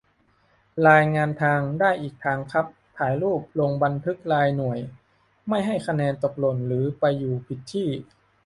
รายงานทาง ได้อีกทางครับ ถ่ายรูป ลงบันทึกรายหน่วย ไม่ให้คะแนนตกหล่นหรือไปอยู่ผิดที่